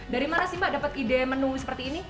dari mana sih mbak dapat ide menu seperti ini